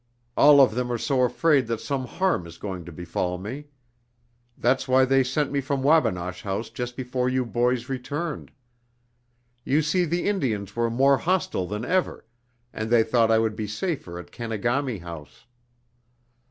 All of them are so afraid that some harm is going to befall me. That's why they sent me from Wabinosh House just before you boys returned. You see the Indians were more hostile than ever, and they thought I would be safer at Kenegami House.